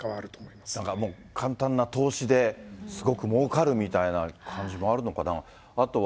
まなんかもう、簡単な投資で、すごくもうかるみたいな感じもあるのかな。